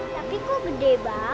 tapi kok gede banget ya